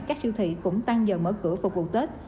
các siêu thị cũng tăng giờ mở cửa phục vụ tết